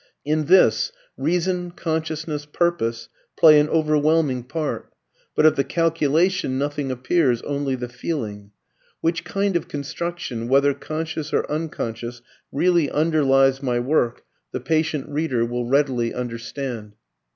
In this, reason, consciousness, purpose, play an overwhelming part. But of the calculation nothing appears, only the feeling. Which kind of construction, whether conscious or unconscious, really underlies my work, the patient reader will readily understand.